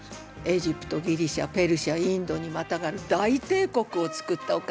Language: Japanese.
エジプトギリシアペルシャインドにまたがる大帝国をつくったお方。